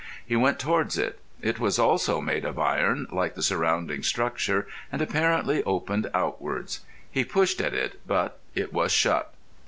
He went towards it. It was also made of iron like the surrounding structure, and apparently opened outwards. He pushed at it, but it was shut.